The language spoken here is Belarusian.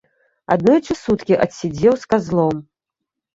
Аднойчы суткі адседзеў з казлом.